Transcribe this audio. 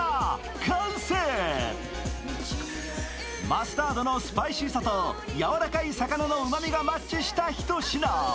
マスタードのスパイシーさとやわらかい魚のうまみがマッチした一品。